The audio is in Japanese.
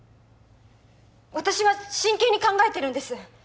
私は真剣に考えてるんです